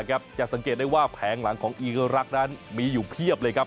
จะสังเกตได้ว่าแผงหลังของอีรักษ์นั้นมีอยู่เพียบเลยครับ